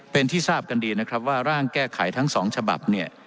เป็นที่ทราบกันดีนะครับว่าร่างแก้ไขทั้งสองฉบับเนี่ย